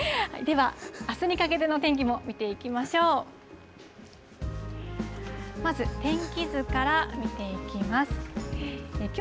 では、あすにかけての天気も見ていきましょう。